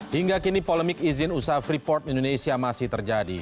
hingga kini polemik izin usaha freeport indonesia masih terjadi